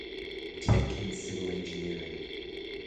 Tech in Civil engineering.